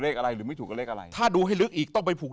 เลขอะไรหรือไม่ถูกกับเลขอะไรถ้าดูให้ลึกอีกต้องไปผูก